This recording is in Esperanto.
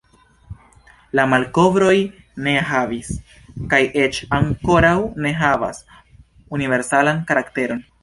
La malkovroj ne havis, kaj eĉ ankoraŭ ne havas, universalan karakteron.